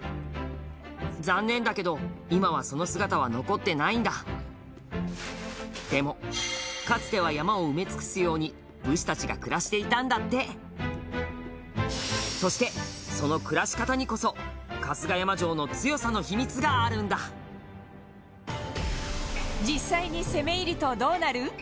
残念だけど、今はその姿は残ってないんだでも、かつては山を埋め尽くすように武士たちが暮らしていたんだってそして、その暮らし方にこそ春日山城の強さの秘密があるんだ実際に攻め入るとどうなる？